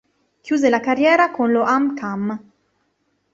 Chiuse la carriera con lo HamKam.